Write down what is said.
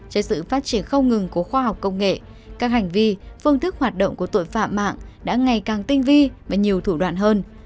trên sự phát triển không ngừng của khoa học công nghệ các hành vi phương thức hoạt động của tội phạm mạng đã ngày càng tinh vi và nhiều thủ đoạn hơn